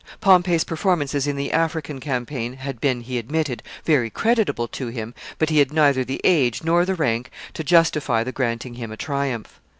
Pompey's performances in the African campaign had been, he admitted, very creditable to him, but he had neither the Age nor the rank to justify the granting him a triumph.